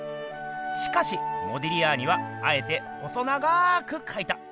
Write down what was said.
しかしモディリアーニはあえて細長くかいた。